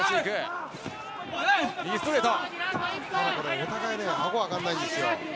お互いあご上がらないんですよ。